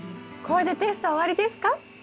これでテスト終わりですか？